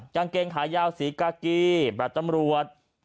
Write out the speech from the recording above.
กางเกงขายาวสีกากีแบตตำรวจ